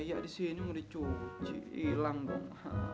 ayak di sini mau dicuci hilang dong